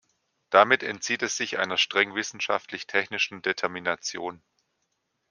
Damit entzieht es sich einer streng wissenschaftlich-technischen Determination.